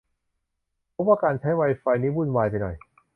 พบว่าการใช้ไวไฟที่นี่วุ่นวายไปหน่อย